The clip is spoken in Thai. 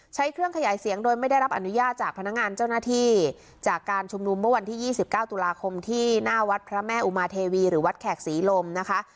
ใช้เครื่องขยายเสียงโดยไม่ได้รับอนุญาตจากพนักงานเจ้าหน้าที่จากการชุมนุมเมื่อวันที่๒๙ตุลาคมที่หน้าวัดพระแม่อุมาเทวีหรือวัดแขกศรีลมนะคะ